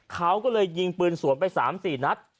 เขาก็เลยยิงปืนสวมไปสามสี่นัด